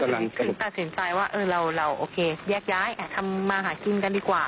เอ่อทำไมคุณน่าที่สินใจว่าเราแยกย้ายทำมาหากินกันดีกว่า